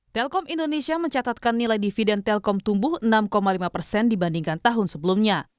telkom indonesia mencatatkan nilai dividen telkom tumbuh enam lima persen dibandingkan tahun sebelumnya